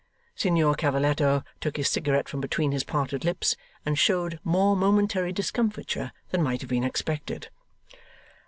Signor Cavalletto took his cigarette from between his parted lips, and showed more momentary discomfiture than might have been expected.